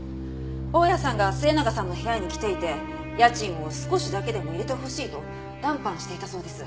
大家さんが末永さんの部屋に来ていて家賃を少しだけでも入れてほしいと談判していたそうです。